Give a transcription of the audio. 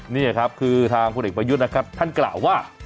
นี่ครับคือทางพลเอกประยุทธ์นะครับท่านกล่าวว่า